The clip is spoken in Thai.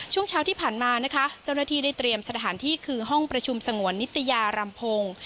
ช่วงเช้าที่ผ่านมานะคะเจ้าหน้าที่ได้เตรียมสถานที่คือห้องประชุมสงวนนิตยารำพงศ์